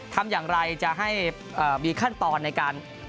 ทำอย่างไรจะให้มีขั้นตอนในการ